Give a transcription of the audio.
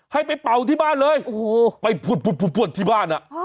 ให้ไปเป่าที่บ้านเลยไปพวดที่บ้าน